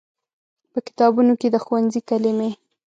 په کتابونو کې د ښوونځي کلمې